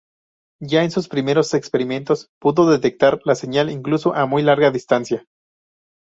Ya en sus primeros experimentos pudo detectar la señal incluso a muy gran distancia.